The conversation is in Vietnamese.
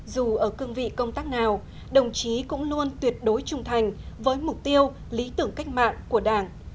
dù ở cương vị công tác nào đồng chí cũng luôn tuyệt đối trung thành với mục tiêu lý tưởng cách mạng của đảng